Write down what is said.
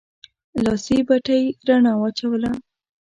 لاسي بتۍ رڼا واچوله.